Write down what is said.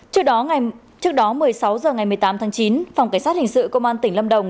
trước đó trước đó một mươi sáu h ngày một mươi tám tháng chín phòng cảnh sát hình sự công an tỉnh lâm đồng